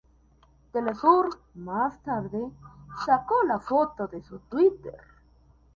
Telesur más tarde sacó la foto de su Twitter.